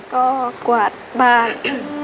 ก็กวาดบ้าน